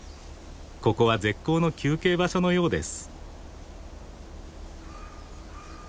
ここは絶好の休憩場所のようです。